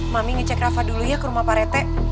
mami ngecek rafa dulu ya ke rumah pak rete